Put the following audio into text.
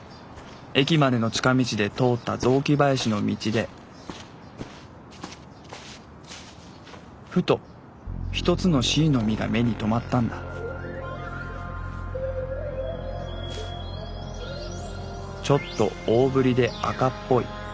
駅までの近道で通った雑木林の道でふと一つの椎の実が目に留まったんだちょっと大ぶりで赤っぽい。